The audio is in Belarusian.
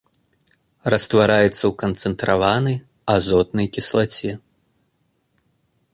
Раствараецца ў канцэнтраванай азотнай кіслаце.